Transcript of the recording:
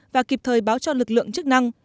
và kịp thời báo cho lực lượng chức năng